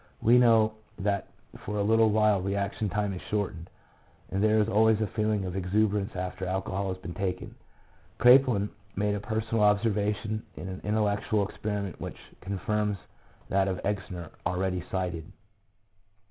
We know that for a little while reaction time is shortened, and there is always a feeling of exuberance after alcohol has been taken. Kraepelin made a personal observation in an intellectual experiment which con firms that of Exner already cited.